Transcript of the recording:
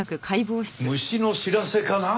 虫の知らせかな。